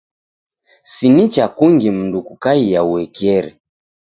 Si nicha kungi mndu kukaia uekeri.